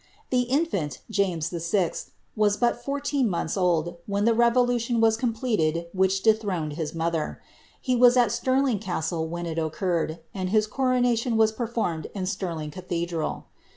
The infimt, James VI., was but fourteen months old, when the revolu tion was completed which dethroned his mother. He was at Stirling Gbstle when it occurred, and his coronation was performed in Stirling Oathedral.